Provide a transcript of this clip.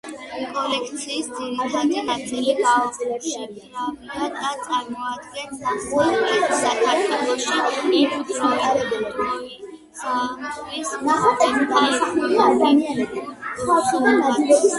კოლექციის ძირითადი ნაწილი გაუშიფრავია და წარმოადგენს დასავლეთ საქართველოში იმ დროისათვის მცხოვრებთა ეთნოგრაფიულ სურათს.